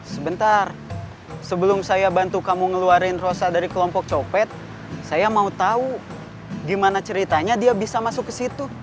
sebentar sebelum saya bantu kamu ngeluarin rosa dari kelompok copet saya mau tahu gimana ceritanya dia bisa masuk ke situ